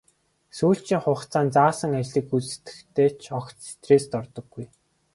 Сүүлчийн хугацааг нь заасан ажлыг гүйцэтгэхдээ ч огт стресст ордоггүй.